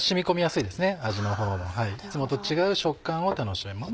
いつもと違う食感を楽しめます。